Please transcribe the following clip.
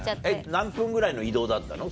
何分ぐらいの移動だったの？